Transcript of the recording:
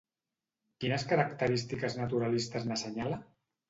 Quines característiques naturalistes n'assenyala?